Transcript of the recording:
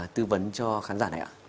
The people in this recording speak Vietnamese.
tư vấn cho khán giả này ạ